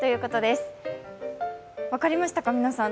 分かりましたか、皆さん。